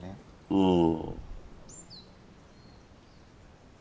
うん。